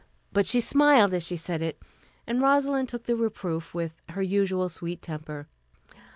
But she smiled as she said it, and Rosalind took the reproof with her usual sweet temper.